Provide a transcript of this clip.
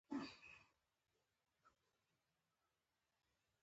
په افغانستان کې د بامیان د پرمختګ لپاره هڅې روانې دي.